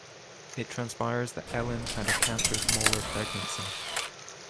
It transpires that Ellen had a cancerous molar pregnancy.